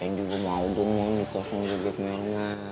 yang juga mau dong mau nikah sama beb merman